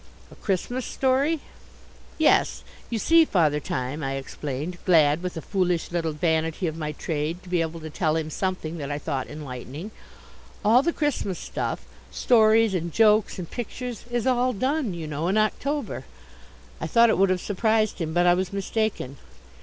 "A Christmas Story?" "Yes. You see, Father Time," I explained, glad with a foolish little vanity of my trade to be able to tell him something that I thought enlightening, "all the Christmas stuff stories and jokes and pictures is all done, you know, in October." I thought it would have surprised him, but I was mistaken.